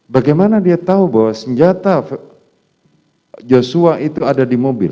bagaimana dia tahu bahwa senjata joshua itu ada di mobil